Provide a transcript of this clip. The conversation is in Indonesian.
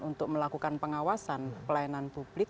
untuk melakukan pengawasan pelayanan publik